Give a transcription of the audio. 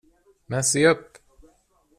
Men se upp.